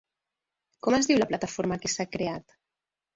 Com es diu la plataforma que s'ha creat?